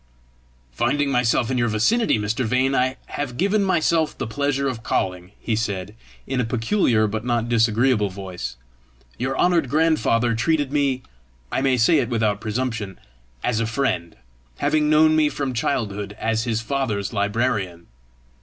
"Finding myself in your vicinity, Mr. Vane, I have given myself the pleasure of calling," he said, in a peculiar but not disagreeable voice. "Your honoured grandfather treated me I may say it without presumption as a friend, having known me from childhood as his father's librarian."